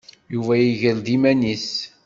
Yuba iger-d iman-nnes.